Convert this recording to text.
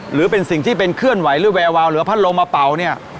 หรือเป็นสิ่งที่เป็นเคลื่อนไหวหรือแววาว